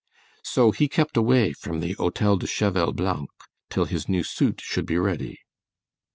So he kept away from the Hotel de Cheval Blanc till his new suit should be ready.